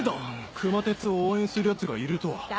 ・・熊徹を応援する奴がいるとは・・誰？